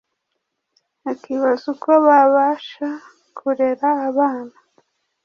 akibaza uko babasha kurera abana